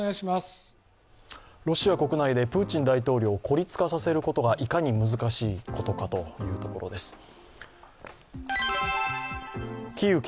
ロシア国内でプーチン大統領孤立化させることがいかに難しいかということです。